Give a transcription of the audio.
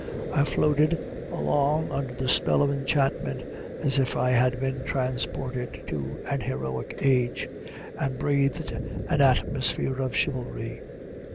I floated along under the spell of enchantment, as if I had been transported to an heroic age, and breathed an atmosphere of chivalry.